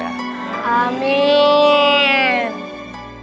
assalamualaikum warahmatullah wabarakatuh